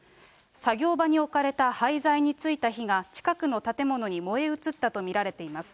作業場に置かれた廃材についた火が、近くの建物に燃え移ったと見られています。